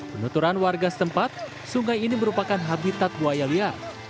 penuturan warga setempat sungai ini merupakan habitat buaya liar